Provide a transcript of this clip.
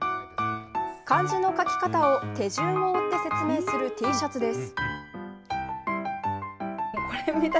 漢字の書き方を手順を追って説明するＴシャツです。